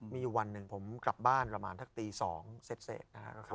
มีอยู่วันหนึ่งผมกลับบ้านประมาณสักตี๒เสร็จนะครับ